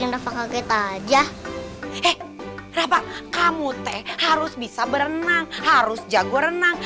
rafa kamu teh harus bisa berenang harus jago renang